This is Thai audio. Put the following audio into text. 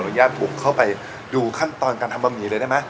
ญาตบุกเข้าไปดูขั้นตอนการทำบะหมี่เลยได้ไหม